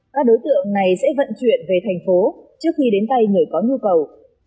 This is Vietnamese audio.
các đối tượng này sẽ vận chuyển về thành phố trước khi đến tay người có nhu cầu